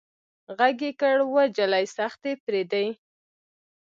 غږ يې کړ وه جلۍ سختي پرېدئ.